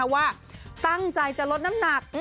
ว่าตั้งใจจะลดน้ำหนัก